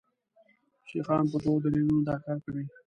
شیخان په دوو دلیلونو دا کار کوي.